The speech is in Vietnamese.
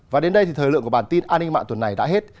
và đến đây thì thời lượng của bản tin an ninh mạng tuần này đã hết